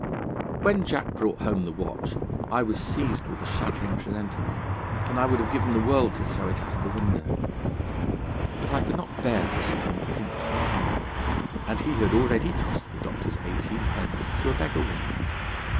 When Jack brought home the watch, I was seized with a shuddering presentiment, and I would have given the world to throw it out of the window. But I could not bear to see him pinched with hunger, and he had already tossed the doctor's eighteenpence to a beggar woman.